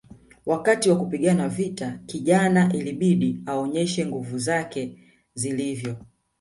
Wakati wa kupigana vita kijana ilibidi aonyeshe nguvu zake zilivyo